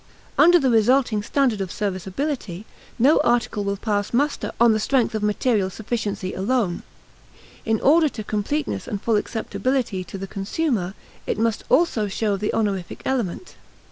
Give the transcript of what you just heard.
Under the resulting standard of serviceability, no article will pass muster on the strength of material sufficiency alone. In order to completeness and full acceptability to the consumer it must also show the honorific element.